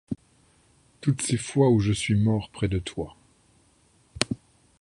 Toutes ces fois où je suis mort près de toi.